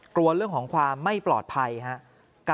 กลัวเรื่องของความไม่ปลอดภัยครับ